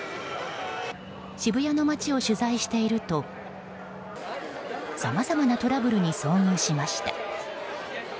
渋谷の街を取材しているとさまざまなトラブルに遭遇しました。